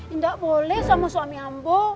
indah boleh sama suami ambo